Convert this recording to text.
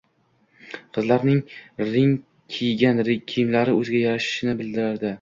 Qizlar гning kiygan kiyimlari oʻziga yarashishini bilardi